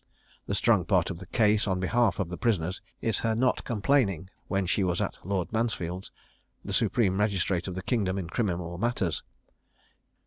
The strong part of the case on behalf of the prisoners is her not complaining when she was at Lord Mansfield's, the supreme magistrate of the kingdom in criminal matters.